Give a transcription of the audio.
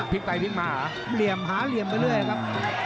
พลิกไปพลิกมาหรอหาเหลี่ยมไปเรื่อยครับ